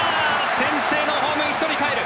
先制のホームイン１人かえる！